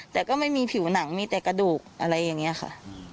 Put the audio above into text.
แต่ก็ไม่มีผิวหนังมีแต่กระดูกอะไรอย่างนี้ค่ะ